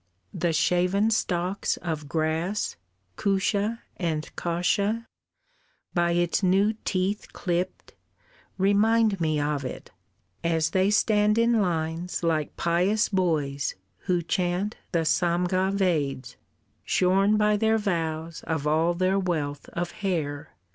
The shaven stalks of grass, Kusha and kasha, by its new teeth clipped, Remind me of it, as they stand in lines Like pious boys who chant the Samga Veds Shorn by their vows of all their wealth of hair."